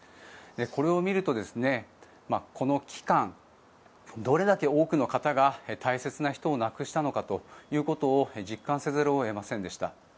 これを見ると、この期間どれだけ多くの方が大切な人を亡くしたのかということを実感せざるを得ませんでした。